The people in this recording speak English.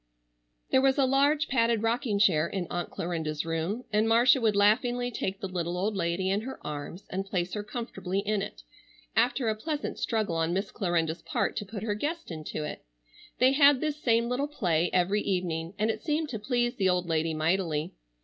There was a large padded rocking chair in Aunt Clarinda's room and Marcia would laughingly take the little old lady in her arms and place her comfortably in it, after a pleasant struggle on Miss Clarinda's part to put her guest into it. They had this same little play every evening, and it seemed to please the old lady mightily.